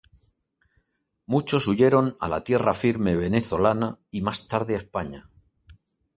Muchos huyeron a la tierra firme venezolana y más tarde a España.